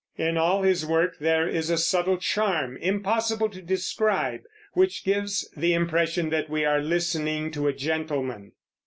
In all his work there is a subtle charm, impossible to describe, which gives the impression that we are listening to a gentleman.